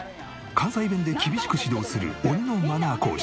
関西弁で厳しく指導する鬼のマナー